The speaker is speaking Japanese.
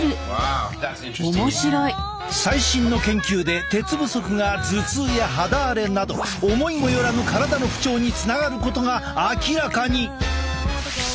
最新の研究で鉄不足が頭痛や肌荒れなど思いも寄らぬ体の不調につながることが明らかに！